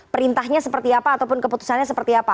perintahnya seperti apa ataupun keputusannya seperti apa